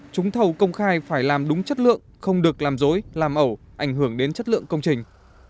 chúng thầu công khai phải làm đúng chất lượng không được làm dối làm ẩu ảnh hưởng đến chất lượng công trình